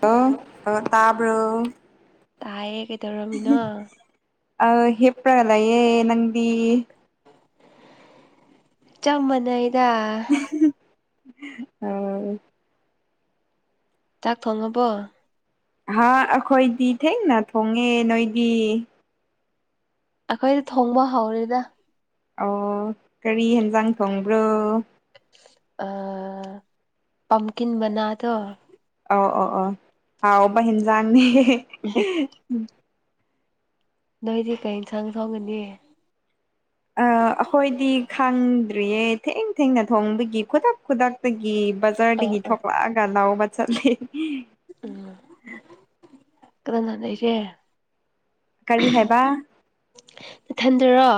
ꯍꯥꯎ ꯑ ꯇꯥꯕ꯭ꯔꯣ꯫ ꯇꯥꯏꯌꯦ ꯀꯩꯗꯔꯣꯃꯤꯅꯣ꯫ ꯑ ꯍꯦꯄ꯭ꯔ ꯂꯩꯌꯦ ꯅꯪꯗꯤ꯫ ꯆꯞ ꯃꯥꯟꯅꯩꯗ꯫ ꯍꯨꯝ ꯑꯣ꯫ ꯆꯥꯛ ꯊꯣꯡꯉꯕꯣ꯫ ꯍꯥ ꯑꯩꯈꯣꯏꯗꯤ ꯊꯦꯡꯅ ꯊꯣꯡꯉꯦ ꯅꯣꯏꯗꯤ ꯑꯩꯈꯣꯏꯗꯤ ꯊꯣꯡꯕ ꯍꯩꯔꯤꯗ꯫ ꯑꯣ ꯀꯔꯤ ꯌꯦꯟꯖꯥꯡ ꯊꯣꯡꯕ꯭ꯔꯣ ꯑ ꯄꯝꯀꯤꯟ ꯃꯅꯥꯗꯣ꯫ ꯑ ꯑ ꯑꯣ ꯍꯥꯎꯕ ꯍꯤꯟꯖꯥꯡꯅꯦ꯫ ꯎꯝ ꯅꯣꯏꯗꯤ ꯀꯩ ꯏꯟꯁꯥꯡ ꯊꯣꯡꯒꯅꯤ ꯑꯩ ꯑꯩꯈꯣꯏꯗꯤ ꯈꯥꯡꯗ꯭ꯔꯤꯌꯦ ꯊꯦꯡ ꯊꯦꯡꯅ ꯊꯣꯡꯕꯒꯤ ꯈꯨꯗꯛ ꯈꯨꯗꯛꯇꯒꯤ꯫ ꯑꯥ ꯕꯖꯥꯔꯗꯒꯤ ꯑꯥ ꯊꯣꯛꯂꯛꯑꯒ ꯂꯧꯕ ꯆꯠꯂꯤ꯫ ꯎꯝ ꯀꯗꯥꯅ ꯑꯩꯁꯦ꯫ ꯀꯔꯤ ꯍꯥꯏꯕ ꯏꯊꯟꯗꯔꯣ꯫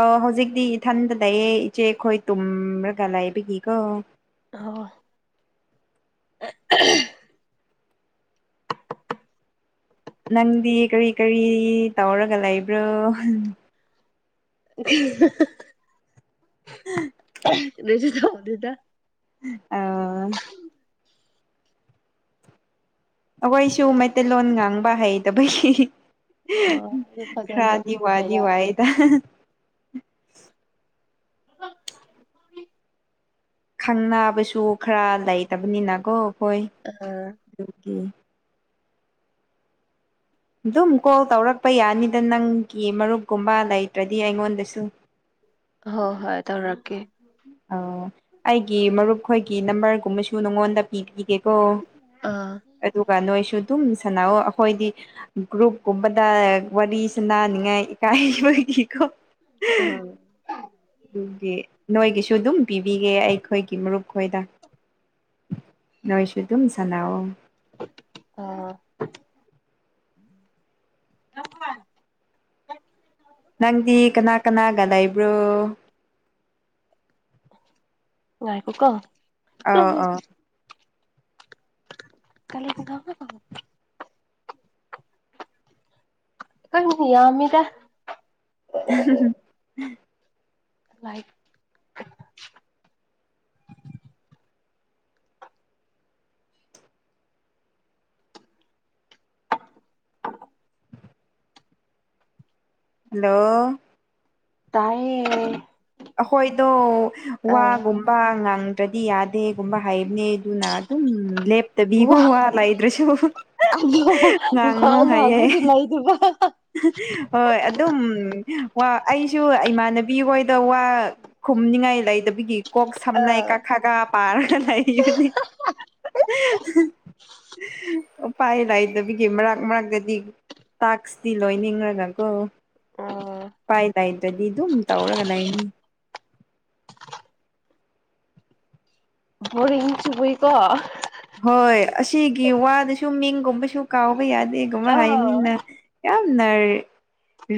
ꯑ ꯍꯧꯖꯤꯛꯇꯤ ꯏꯊꯟꯗꯗꯌꯦ ꯏꯆꯦꯈꯣꯏ ꯇꯨꯝꯔꯒ ꯂꯥꯏꯕꯒꯤꯀꯣ ꯍ ꯅꯪꯗꯤ ꯀꯔꯤ ꯀꯔꯤ ꯇꯧꯔꯒ ꯂꯩꯕ꯭ꯔꯣ꯫ ꯍꯤ ꯍ꯫ ꯎꯝ [inaudible] ꯑ ꯑꯩꯈꯣꯏꯁꯨ ꯃꯩꯇꯩꯂꯣꯟ ꯉꯥꯡꯕ ꯍꯩꯇꯕꯒꯤ ꯑꯣ ꯑꯗꯨ ꯐꯖꯅ ꯈꯥꯔꯗꯤ ꯋꯥꯗꯤ ꯈꯪꯗꯕ ꯋꯥꯏꯗ꯫ [inaudible] ꯈꯪꯅꯕꯁꯨ ꯈꯔ ꯂꯩꯇꯕꯅꯤꯅꯀꯣ ꯈꯣꯥꯏ ꯑ ꯑꯗꯨꯒꯤ꯫ ꯑꯗꯨꯝ ꯀꯣꯜ ꯇꯧꯔꯛꯄ ꯌꯥꯅꯤꯗ ꯅꯪꯒꯤ ꯃꯔꯨꯞꯀꯨꯝꯕ ꯂꯩꯇ꯭ꯔꯗꯤ ꯑꯩꯉꯣꯟꯗꯁꯨ꯫ ꯍꯣꯏ ꯍꯣꯏ ꯇꯧꯔꯛꯀꯦ꯫ ꯑ ꯑꯩꯒꯤ ꯃꯔꯨꯞꯈꯣꯏꯒꯤ ꯅꯝꯕꯔꯒꯨꯝꯕꯁꯨ ꯅꯉꯣꯟꯗ ꯄꯤꯈꯤꯒꯦꯀꯣ꯫ ꯑꯥ꯫ ꯑꯗꯨꯒ ꯅꯣꯏꯁꯨ ꯑꯗꯨꯝ ꯁꯥꯟꯅꯑꯣ ꯑꯩꯈꯣꯏꯗꯤ꯫ ꯒ꯭ꯔꯨꯞꯀꯨꯝꯕꯗ ꯋꯥꯔꯤ ꯁꯅꯥꯅꯤꯡꯉꯥꯏ ꯏꯀꯥꯏꯕꯒꯤꯀꯣ꯫ ꯎꯝ ꯑꯗꯨꯒꯤ ꯅꯣꯏꯒꯤꯁꯨ ꯑꯗꯨꯝ ꯄꯤꯕꯤꯒꯦ ꯑꯩꯈꯣꯏꯒꯤ ꯃꯔꯨꯞ ꯈꯣꯏꯗ ꯅꯣꯏꯁꯨ ꯑꯗꯨꯝ ꯁꯥꯟꯅꯑꯣ꯫ ꯑꯥ꯫ ꯅꯪꯗꯤ ꯀꯅꯥ ꯀꯅꯥꯒ ꯂꯩꯕ꯭ꯔꯣ ꯋꯥ ꯀꯣ꯫ ꯑ ꯑꯥ ꯀꯂ ꯑꯗꯨꯗꯕ ꯀꯣ꯫ ꯀ ꯌꯥꯃꯤꯗ꯫ [inaudible] ꯂꯥꯏꯠ ꯍꯜꯂꯣ ꯇꯥꯏꯌꯦ ꯑꯩꯈꯣꯏꯗꯣ ꯑꯥ ꯋꯥꯒꯨꯝꯕ ꯄ ꯉꯪꯗ꯭ꯔꯗꯤ ꯌꯥꯗꯦꯒꯨꯝꯕ ꯍꯥꯏꯕꯅꯦ ꯑꯗꯨꯅ ꯑꯗꯨꯝ ꯂꯦꯞ ꯇꯕꯤꯕꯣ ꯋꯥ ꯂꯩꯗ꯭ꯔꯁꯨ ꯑꯗꯣ ꯋꯥ ꯉꯥꯡꯅꯨ ꯍꯥꯏꯌꯦ [unintelligible] ꯍꯣꯏ ꯑꯗꯨꯝ ꯋꯥ ꯑꯩꯁꯨ ꯏꯃꯥꯟꯅꯕꯤ ꯍꯣꯏꯗ ꯋꯥ ꯈꯨꯝꯅꯤꯡꯉꯥꯏ ꯂꯩꯗꯕꯒꯤ ꯀꯣꯛ ꯁꯝ ꯂꯩ ꯀ ꯈꯒꯥ ꯄꯥꯔꯒ ꯂꯩꯕꯅꯤ [unintelligible] ꯎꯄꯥꯏ ꯂꯩꯇꯕꯒꯤ ꯃꯔꯛ ꯃꯔꯛꯒꯗꯤ ꯇꯥꯛꯁ ꯇꯤ ꯂꯣꯏꯅꯤꯡꯉꯒꯀꯣ ꯑꯥ ꯏꯄꯥꯏ ꯂꯩꯗꯇ꯭ꯔꯗꯤ ꯑꯗꯨꯝ ꯇꯧꯔꯒ ꯂꯩꯅꯤ ꯕꯣꯔꯤꯡ ꯆꯨꯕꯩꯀꯣ ꯍꯣꯏ ꯑꯁꯤꯒꯤ ꯋꯥꯗꯁꯨ ꯃꯤꯡꯒꯨꯝꯕꯁꯨ ꯀꯥꯎꯕ ꯌꯥꯗꯦꯒꯨꯝꯕ ꯍꯥꯏꯅꯤꯅ ꯌꯥꯝꯅ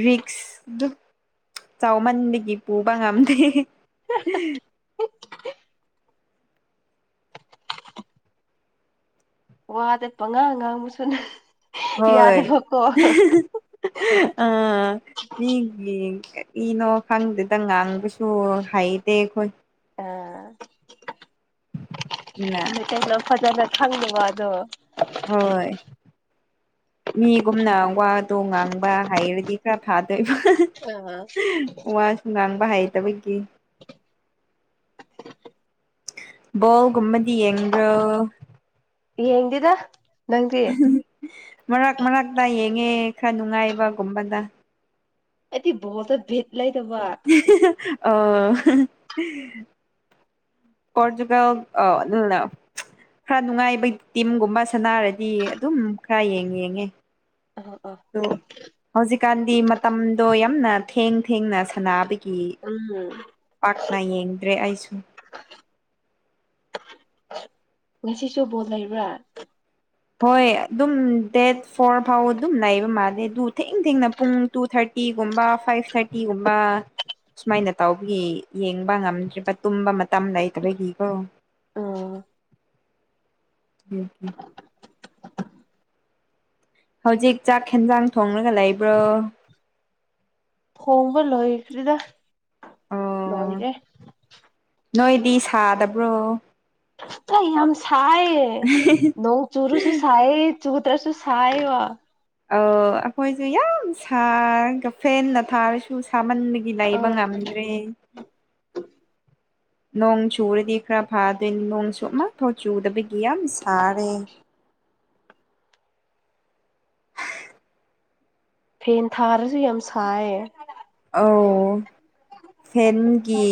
ꯔꯤꯛꯁ ꯗꯨ ꯆꯥꯎꯃꯟꯕꯒꯤ ꯄꯨꯕ ꯉꯝꯗꯦ ꯋꯥꯗ ꯄꯉꯥꯡ ꯉꯥꯡꯕꯨꯁꯨꯅꯦ ꯍꯣꯏ ꯑꯥ ꯃꯤꯒꯤ ꯀꯥꯔꯤꯅꯣ ꯈꯪꯗꯦꯗ ꯉꯥꯡꯕꯁꯨ ꯍꯩꯇꯦ ꯑꯩꯈꯣꯏ ꯑꯥ [unintelligible] ꯀꯩꯅꯣ ꯐꯖꯅ ꯈꯪꯗꯦ ꯋꯥꯗꯣ ꯍꯣꯏ ꯃꯤꯒꯨꯝꯅ ꯋꯥꯗꯣ ꯉꯥꯡꯕ ꯍꯩꯔꯗꯤ ꯈꯔ ꯐꯥꯗꯣꯏꯕ ꯑꯥ ꯋꯥꯁꯨ ꯉꯥꯡꯕ ꯍꯩꯇꯕꯒꯤ ꯕꯣꯜ ꯒꯨꯝꯕꯗꯤ ꯌꯦꯡꯕ꯭ꯔꯣ ꯌꯦꯡꯗꯦꯗ ꯅꯪꯗꯤ ꯃꯔꯛ ꯃꯔꯛꯇ ꯌꯦꯡꯉꯦ ꯈꯔ ꯅꯨꯡꯉꯥꯏꯕꯒꯨꯝꯕꯗ ꯑꯩꯗꯤ ꯕꯣꯜꯇ ꯕꯤꯠ ꯂꯩꯇꯕ ꯑꯣ ꯀꯣꯔꯆꯨꯒꯜ [unintelligible] ꯈꯔ ꯅꯨꯡꯉꯥꯏꯕ ꯇꯤꯝꯒꯨꯝꯕ ꯁꯥꯟꯅꯥꯔꯗꯤ ꯑꯗꯨꯝ ꯈꯔ ꯌꯦꯡ ꯌꯦꯡꯉꯦ ꯑꯥ ꯑꯥ ꯗꯣ ꯍꯧꯖꯤꯛꯀꯥꯟꯗꯤ ꯃꯇꯝꯗꯣ ꯌꯥꯝꯅ ꯊꯦꯡ ꯊꯦꯡꯅ ꯁꯥꯟꯅꯕꯒꯤ ꯎꯝ ꯄꯥꯛꯅ ꯌꯦꯡꯗ꯭ꯔꯦ ꯑꯩꯁꯨ ꯉꯁꯤꯁꯨ ꯕꯣꯜ ꯂꯩꯕ꯭ꯔꯥ ꯍꯣꯏ ꯑꯗꯨꯝ ꯗꯦꯠ ꯐꯣꯔ ꯐꯥꯎ ꯑꯗꯨꯝ ꯂꯩꯕ ꯃꯥꯜꯂꯦ ꯑꯗꯨ ꯊꯦꯡ ꯊꯦꯡꯅ ꯄꯨꯡ ꯇꯨ ꯊꯥꯔꯇꯤꯒꯨꯝꯕ ꯐꯥꯏꯚ ꯊꯥꯔꯇꯤꯒꯨꯝꯕ ꯁꯨꯃꯥꯏꯅ ꯇꯧꯕꯒꯤ ꯌꯦꯡꯕ ꯉꯝꯗ꯭ꯔꯤꯕ ꯇꯨꯝꯕ ꯃꯇꯝ ꯂꯩꯇꯕꯒꯤꯀꯣ ꯎꯝ ꯎꯝ ꯎꯝ ꯍꯧꯖꯤꯛ ꯆꯥꯛ ꯍꯦꯟꯖꯥꯡ ꯊꯣꯡꯂꯒ ꯂꯩꯕ꯭ꯔꯣ ꯍꯣꯡꯕ ꯂꯣꯏꯈ꯭ꯔꯦꯗ ꯑꯣ ꯂꯣꯏꯔꯦ ꯅꯣꯏꯗꯤ ꯁꯥꯗꯕ꯭ꯔꯣ ꯑꯩ ꯌꯥꯝ ꯁꯥꯏꯌꯦ ꯅꯣꯡ ꯆꯔꯁꯨꯨ ꯁꯥꯏꯌꯦ ꯆꯨꯗ꯭ꯔꯁꯨ ꯁꯥꯏꯌꯦꯕ ꯑꯧ ꯑꯩꯈꯣꯏꯁꯨ ꯌꯥꯝ ꯁꯥꯔꯒ ꯐꯦꯟꯅ ꯊꯥꯔꯁꯨ ꯁꯥꯃꯟꯕꯒꯤ ꯗꯤ ꯂꯩꯕ ꯑꯥ ꯉꯝꯗ꯭ꯔꯦ ꯅꯣꯡ ꯆꯨꯔꯗꯤ ꯈꯔ ꯐꯥꯗꯣꯏꯅꯤ ꯅꯣꯡꯁꯨ ꯑꯃꯐꯥꯎ ꯆꯨꯗꯕꯒꯤ ꯌꯥꯝ ꯁꯥꯔꯦ ꯐꯦꯟ ꯊꯥꯔꯁꯨ ꯌꯥꯝ ꯁꯥꯏꯌꯦ ꯑꯧ ꯐꯦꯟꯒꯤ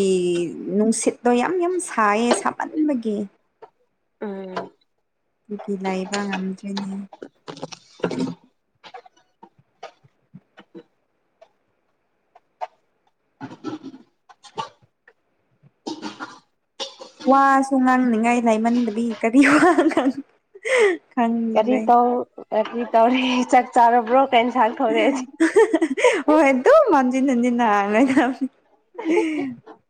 ꯅꯨꯡꯁꯤꯠ ꯗꯣ ꯌꯥꯝ ꯌꯥꯝ ꯁꯥꯏꯌꯦ ꯁꯥꯃꯟꯕꯒꯤ ꯎꯝ꯫ ꯀꯨꯀꯤ ꯂꯩꯕ ꯉꯝꯗ꯭ꯔꯦꯅꯦ꯫ [inaudible] ꯋꯥꯁꯨ ꯉꯥꯡꯅꯤꯡꯉꯥꯏ ꯂꯥꯏꯃꯟꯗꯕꯤ ꯀꯔꯤ ꯋꯥ ꯉꯥꯡ ꯀꯔꯤ ꯈꯪꯗ꯭ꯔꯦ ꯇꯧ ꯀꯔꯤ ꯇꯧꯔꯦ ꯆꯛ ꯆꯥꯔꯕ꯭ꯔꯣ ꯀꯩꯟꯁꯥꯡ [unintelligible] ꯍꯣꯏ ꯗꯨꯝ ꯍꯟꯖꯤꯟ ꯍꯟꯖꯤꯟ ꯅ ꯍꯥꯢꯔꯒ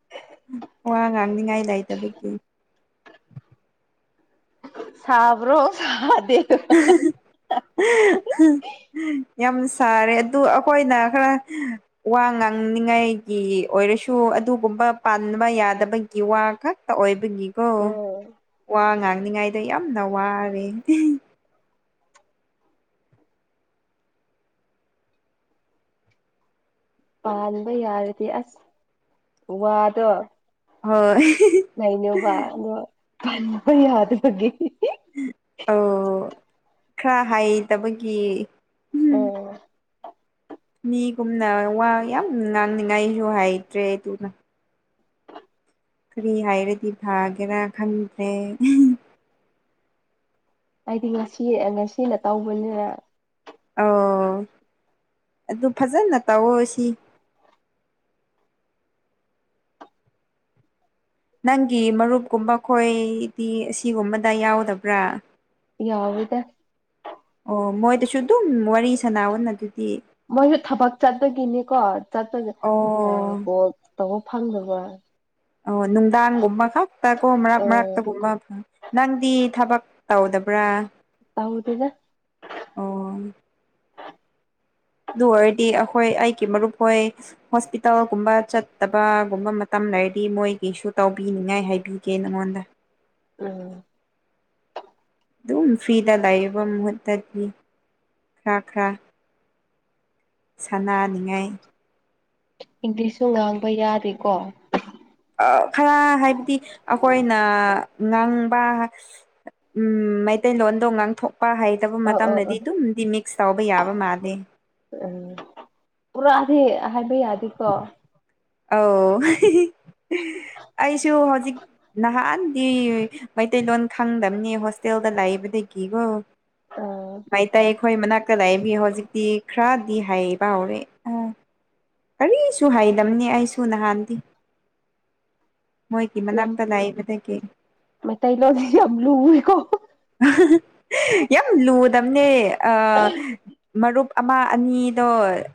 [unintelligible] ꯋꯥ ꯉꯥꯡꯅꯤꯡꯉꯥꯏ ꯂꯩꯥꯏꯇꯕꯒꯤ ꯁꯥꯕ꯭ꯔꯣ ꯁꯥꯗꯦ [unintelligible] [unintelligible] ꯌꯥꯝ ꯁꯥꯔꯦ ꯑꯗꯨ ꯑꯩꯈꯣꯏꯅ ꯈꯔ ꯋꯥ ꯉꯥꯡꯅꯤꯡꯉꯥꯏꯒꯤ ꯑꯣꯏꯔꯁꯨ ꯑꯗꯨꯒꯨꯝꯕ ꯄꯥꯟꯕ ꯌꯥꯗꯕꯒꯤ ꯋꯥ ꯈꯛ ꯇ ꯑꯣꯏꯕꯒꯤꯀꯣ ꯎꯝ ꯋꯥ ꯉꯥꯡꯅꯤꯉꯥꯏꯗꯣ ꯌꯥꯝꯅ ꯋꯥꯔꯦ꯫ ꯄꯥꯟꯕ ꯌꯥꯔꯗꯤ ꯑꯁ ꯋꯥꯗꯣ ꯍꯣꯏ꯫ [unintelligible] ꯂꯩꯅꯧꯕ ꯑꯗꯣ ꯄꯟꯕ ꯌꯥꯗꯕꯒꯤ [unintelligible] ꯑꯧ ꯈ꯭ꯔꯥ ꯍꯩꯇꯕꯒꯤ ꯎꯝ ꯑꯣ꯫ ꯃꯤꯒꯨꯝꯅ ꯋꯥ ꯌꯥꯝ ꯉꯥꯡꯅꯤꯉꯥꯏꯁꯨ ꯍꯥꯏꯗ꯭ꯔꯦ ꯑꯗꯨꯅ꯫ ꯀꯔꯤ ꯍꯥꯏꯔꯗꯤ ꯐꯥꯒꯦꯔꯥ ꯈꯪꯗ꯭ꯔꯦ꯫ ꯑꯩꯗꯤ ꯉꯁꯤ ꯉꯁꯤꯅ ꯇꯧꯕꯅꯤꯅ ꯑꯧ ꯑꯗꯨ ꯐꯖꯅ ꯇꯧꯋꫭ ꯑꯁꯤ꯫ ꯅꯪꯒꯤ ꯃꯔꯨꯞꯀꯨꯝꯕ ꯈꯣꯏꯗꯤ ꯑꯁꯤꯒꯨꯝꯕꯗ ꯌꯥꯎꯗꯕ꯭ꯔꯥ꯫ ꯌꯥꯎꯋꯦꯗ꯫ ꯑꯣ ꯃꯣꯏꯗꯁꯨ ꯑꯗꯨꯝ ꯋꯥꯔꯤ ꯁꯅꯥꯋꯣꯅ ꯑꯗꯨꯗꯤ꯫ ꯃꯣꯏꯁꯨ ꯊꯕꯛ ꯆꯠꯄꯒꯤꯅꯤꯀꯣ ꯆꯄꯒ ꯑ ꯑꯣ ꯀꯣꯜ ꯇꯧꯕ ꯐꯪꯗꯕ꯫ ꯑꯣ ꯅꯨꯡꯗꯥꯡꯒꯨꯝꯕ ꯈꯛꯇꯀꯣ ꯃꯔꯛ ꯑ ꯃꯔꯛꯇꯒꯨꯝꯕ ꯅꯪꯗꯤ ꯊꯕꯛ ꯇꯧꯗꯕ꯭ꯔꯥ꯫ ꯇꯧꯗꯦꯗ꯫ ꯑꯣ ꯑꯗꯨ ꯑꯣꯏꯔꯗꯤ ꯑꯈꯣꯏ ꯑꯩꯒꯤ ꯃꯔꯨꯞ ꯍꯣꯏ ꯍꯣꯁꯄꯤꯇꯥꯜꯒꯨꯝꯕ ꯆꯠꯇꯕꯒꯨꯝꯕ ꯃꯇꯝ ꯂꯩꯔꯗꯤ ꯃꯣꯏꯒꯤꯁꯨ ꯇꯧꯕꯤꯅꯤꯡꯉꯥꯏ ꯍꯥꯏꯕꯤꯒꯦ ꯅꯉꯣꯟꯗ꯫ ꯎꯝ꯫ ꯑꯗꯨꯝ ꯐ꯭ꯔꯤꯗ ꯂꯩꯕ ꯃꯍꯨꯠꯇꯗꯤ ꯈꯔ ꯈꯔ ꯁꯥꯟꯅꯅꯤꯡꯉꯥꯏ꯫ ꯏꯪꯂꯤꯁꯁꯨ ꯉꯥꯡꯕ ꯌꯥꯗ꯭ꯦꯀꯣ꯫ ꯑꯥ ꯈꯔ ꯍꯥꯏꯕꯗꯤ ꯑꯈꯣꯏꯅ ꯉꯥꯡꯕꯥ ꯎꯝ ꯃꯩꯇꯩꯂꯣꯟꯗꯣ ꯉꯥꯡꯊꯣꯛ ꯄꯥ ꯍꯩꯇꯕ ꯑ ꯑ ꯑ ꯃꯇꯝꯗꯗꯤ ꯑꯗꯨꯝꯗꯤ ꯃꯤꯛꯁ ꯇꯧꯕ ꯌꯥꯕ ꯃꯥꯜꯂꯦ꯫ ꯎꯝ ꯄꯨꯔꯥꯗꯤ ꯍꯥꯏꯕ ꯌꯥꯗꯦꯀꯣ꯫ ꯑꯧ ꯑꯩꯁꯨ ꯍꯧꯖꯤꯛ ꯅꯍꯥꯟꯗꯤ ꯃꯩꯇꯩꯂꯣꯟ ꯈꯪꯗꯕꯅꯤ ꯍꯣꯁꯇꯦꯜꯗ ꯂꯥꯛꯏꯕꯗꯒꯤꯀꯣ ꯑ ꯃꯩꯇꯩ ꯈꯣꯏ ꯃꯅꯥꯛ ꯇ ꯂꯩꯕꯤ ꯍꯧꯖꯤꯛꯇꯤ ꯈꯔꯥꯗꯤ ꯍꯥꯏꯕ ꯍꯧꯔꯦ ꯑꯣ꯫ ꯀꯔꯤꯁꯨ ꯍꯩꯗꯝꯅꯤ ꯑꯩꯁꯨ ꯅꯍꯥꯟꯗꯤ꯫ ꯃꯣꯏꯒꯤ ꯌꯥꯝ ꯃꯅꯥꯛꯇ ꯂꯩꯕꯗꯒꯤ ꯃꯩꯇꯩꯂꯣꯟꯗꯤ ꯌꯥꯝ ꯂꯨꯏꯀꯣ [unintelligible] ꯌꯥꯝ ꯂꯨꯗꯝꯅꯦ ꯑ ꯃꯔꯨꯞ ꯑꯃ ꯑꯅꯤꯗꯣ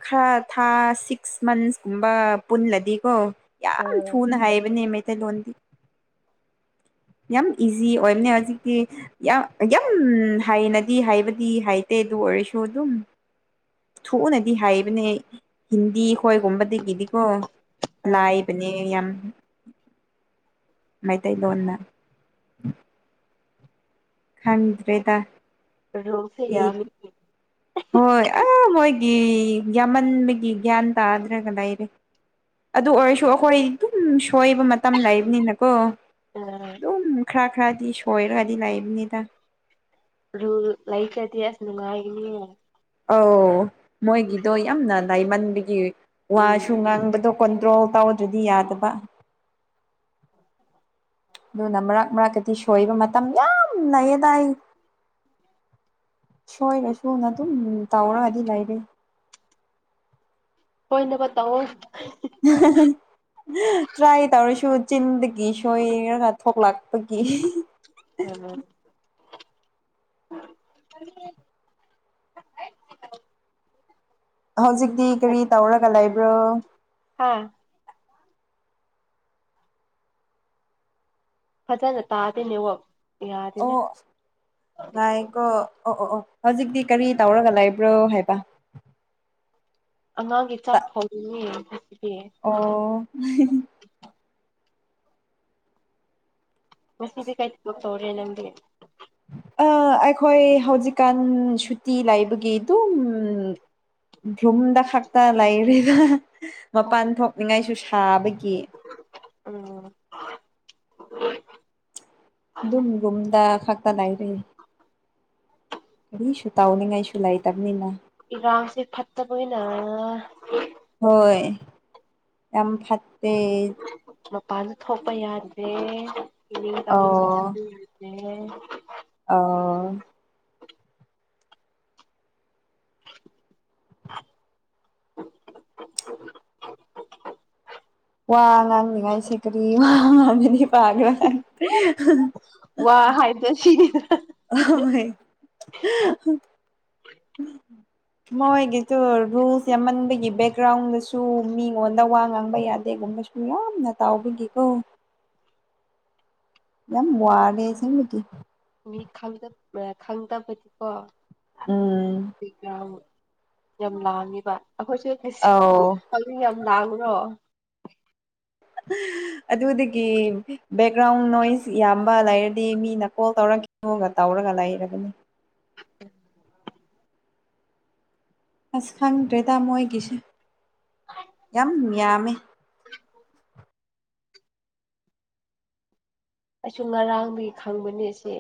ꯈꯔ ꯊꯥꯁꯤꯛ ꯁꯤꯛꯁ ꯃꯟꯁꯀꯨꯝꯕ ꯄꯨꯜꯂꯗꯤꯀꯣ ꯑ ꯌꯥꯝ ꯊꯨꯅ ꯍꯥꯏꯕꯅꯦ ꯃꯩꯇꯩꯂꯣꯟꯗꯤ꯫ ꯌꯥꯝ ꯏꯖꯤ ꯑꯣꯏꯕꯅꯦ ꯍꯧꯖꯤꯛꯇꯤ ꯌꯥꯝ ꯌꯥꯝ ꯍꯥꯏꯅꯗꯤ ꯍꯥꯏꯕꯗꯤ ꯍꯥꯏꯇꯦ ꯑꯗꯨ ꯑꯣꯏꯔꯁꯨ ꯑꯗꯨꯝ ꯊꯨꯅꯗꯤ ꯍꯥꯏꯕꯅꯦ ꯍꯤꯟꯗꯤ ꯈꯣꯏꯒꯨꯝꯕꯗꯒꯤꯗꯤꯀꯣ꯫ ꯑ ꯂꯥꯏꯕꯅꯦ ꯌꯥꯝ꯫ ꯃꯩꯇꯩꯂꯣꯟꯅ꯫ ꯈꯪꯗ꯭ꯔ‌ꯦꯗ ꯔꯣꯁꯦ [unintelligible] ꯌꯥꯃꯤ꯫ ꯍꯣꯏ ꯑ ꯃꯣꯏꯒꯤ ꯌꯥꯝꯃꯟꯕꯒꯤ ꯒ꯭ꯌꯥꯟ ꯇꯥꯗ꯭ꯔꯒ ꯂꯩꯔꯦ꯫ ꯑꯗꯨ ꯑꯣꯏꯔꯁꯨ ꯑꯩꯈꯣꯏ ꯑꯗꯨꯝ ꯁꯣꯏꯕ ꯃꯇꯝ ꯂꯩꯕꯅꯤꯅꯀꯣ ꯑ ꯑꯗꯨꯝ ꯈꯔ ꯈꯔꯗꯤ ꯁꯣꯏꯔꯒꯗꯤ ꯂꯩꯏꯕꯅꯦꯗ꯫ ꯔꯨꯜ ꯂꯩꯇꯔꯗꯤ ꯑꯁ ꯅꯨꯡꯉꯥꯏꯒꯅꯤꯌꯦ ꯑꯧ ꯃꯣꯏꯒꯤꯗꯣ ꯌꯥꯝꯅ ꯂꯥꯏꯃꯟꯕꯒꯤ ꯎꯝ ꯋꯥꯁꯨ ꯉꯥꯡꯕꯗꯣ ꯀꯟꯇ꯭ꯔꯣꯜ ꯇꯧꯗ꯭ꯔꯗꯤ ꯌꯥꯗꯕ꯫ ꯑꯗꯨꯅ ꯃꯔꯛ ꯃꯔꯛꯗꯗꯤ ꯁꯣꯏꯕ ꯃꯇꯝ ꯌꯥꯝ ꯂꯩꯌꯦꯗ ꯑꯩ ꯁꯣꯏꯔ ꯁꯨꯅ ꯑꯗꯨꯝ ꯇꯧꯔꯒꯗꯤ ꯂꯩꯔꯦ꯫ ꯑꯣꯏꯅꯕ [unintelligible] ꯇꯧꯑꯣ꯫ ꯍꯦꯍꯦꯍꯦ꯫ [unintelligible] ꯇ꯭ꯔꯥꯏ ꯇꯧꯔꯁꯨ ꯆꯤꯟꯗꯒꯤ ꯁꯣꯏꯔꯒ ꯊꯣꯛꯂꯛꯄꯒꯤ ꯑꯣ꯫ [unintelligible] [unintelligible] [unintelligible] ꯍꯧꯖꯤꯛꯇꯤ ꯀꯔꯤ ꯇꯧꯔꯒ ꯂꯩꯕ꯭ꯔꯣ ꯍꯥ ꯐꯖꯅ ꯇꯥꯗꯦ ꯅꯦꯠꯋꯥꯛ ꯌꯥꯗꯦꯗ ꯑꯣ ꯉꯥꯏꯒꯣ ꯑꯣ ꯑꯣ ꯑꯣ ꯍꯧꯖꯤꯛꯇꯤ ꯀꯔꯤ ꯇꯧꯔꯒ ꯂꯩꯕ꯭ꯔꯣ ꯍꯥꯏꯕ꯫ ꯑꯉꯥꯡꯒꯤ ꯆꯥꯛ ꯊꯣꯡꯉꯤꯅꯦ ꯍꯧꯖꯤꯛꯇꯤ ꯎ [unintelligible] ꯉꯁꯤꯗꯤ ꯀꯔꯤ ꯊꯕꯛ ꯇꯧꯔꯦ ꯅꯪꯗꯤ ꯑꯥ ꯑꯩꯈꯣꯏ ꯍꯧꯖꯤꯛꯀꯥꯟ ꯁꯨꯇꯤ ꯂꯩꯕꯒꯤ ꯑꯗꯨꯝ ꯔꯨꯝꯗ ꯈꯛꯇ ꯂꯩꯔꯦꯗ ꯃꯄꯥꯟ ꯊꯣꯛꯅꯤꯡꯉꯥꯏꯁꯨ ꯁꯥꯕꯒꯤ꯫ ꯎꯝ ꯑꯗꯨꯝ ꯔꯨꯝꯗ ꯈꯥꯛꯛꯇ ꯂꯏꯔ‌ꯦꯅ‌ꯦ ꯀꯔꯤꯁꯨ ꯇꯧꯅꯤꯡꯉꯥꯏꯁꯨ ꯂꯩꯇꯕꯅꯤꯅ ꯏꯔꯥꯡꯁꯦ ꯐꯠꯇꯕꯅꯤꯅ꯫ ꯍꯣꯏ ꯌꯥꯝ ꯐꯠꯇꯦ ꯃꯄꯥꯟꯁꯨ ꯊꯣꯛꯄ ꯌꯥꯗ꯭ꯔꯦ ꯏꯅꯤꯡ ꯇꯝꯄꯁꯨ ꯆꯠꯄ ꯌꯥꯗꯔ‌ꯦ ꯑꯧ ꯋꯥ ꯉꯥꯡꯅꯤꯡꯉꯥꯏꯁꯦ ꯀꯔꯤ ꯋꯥ ꯉꯅꯅꯤ ꯄꯥꯈ꯭ꯔꯥ [unintelligible] [unintelligible] ꯋꯥ ꯍꯥꯏꯕꯗꫭ ꯁꯤꯅꯤꯗ [unintelligible] ꯍ [unintelligible] ꯃꯣꯏꯒꯤꯗꯨ ꯔꯨꯜꯁ ꯌꯥꯝꯃꯟꯕꯒꯤ ꯕꯦꯛꯒ꯭ꯔꯥꯎꯟꯗꯁꯨ ꯃꯤꯉꯣꯟꯗ ꯋꯥ ꯉꯥꯡꯕ ꯌꯥꯗꯦꯒꯨꯝꯕꯁꯨ ꯌꯥꯝꯅ ꯇꯥꯎꯕꯤꯒꯦꯀꯣ ꯌꯥꯝ ꯋꯔ‌ꯦ ꯑꯁ‌ꯦꯕꯒꯤ ꯃꯤ ꯈꯪꯗ ꯈꯪꯗꯕꯗꯤꯀꯣ ꯎꯝ ꯕ‌ꯦꯛꯒꯔꯥꯎꯟ ꯌꯥꯝ ꯂꯥꯡꯉꯤꯕ ꯑꯩꯈꯣꯏꯁꯨ ꯑꯧ ꯑꯗꯨ ꯌꯥꯝ ꯂꯥꯡꯈ꯭ꯔ [unintelligible] ꯎꯝ [unintelligible] ꯑꯗꯨꯗꯒꯤ ꯕꯦꯛꯒ꯭ꯔꯥꯎꯟ ꯅꯣꯏꯁ ꯌꯥꯝꯕ ꯂꯩꯔꯗꯤ ꯃꯤꯅ ꯀꯣꯜ ꯇꯧꯔꯝꯈꯤ ꯍꯒ [unintelligible] ꯇꯧꯔꯒ ꯂꯩꯔꯕꯅꯤ ꯑꯁ ꯈꯪꯗ꯭ꯔꯦꯗ ꯃꯣꯏꯒꯤꯁꯦ ꯌꯥꯝ ꯌꯥꯝꯃꯦ ꯑꯩꯁꯨ ꯉꯔꯥꯡꯗꯒꯤ ꯈꯪꯕꯅꯦꯁꯦ